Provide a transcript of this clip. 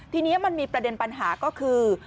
ทีนี้มันมีประเด็นปัญหาก็คือ